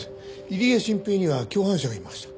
入江慎平には共犯者がいました。